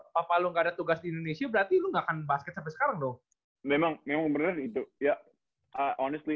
papa lo gak ada tugas di indonesia berarti lo gak akan basket sampai sekarang dong